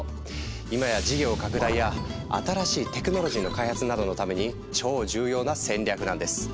今や事業拡大や新しいテクノロジーの開発などのために超重要な戦略なんです。